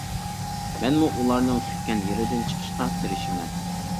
مەنمۇ ئۇلارنىڭ كۈتكەن يېرىدىن چىقىشقا تىرىشىمەن.